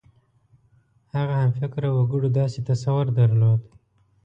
هغه همفکره وګړو داسې تصور درلود.